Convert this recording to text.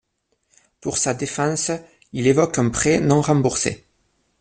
Pour sa défense, il évoque un prêt non remboursé.